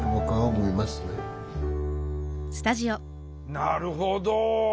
なるほど。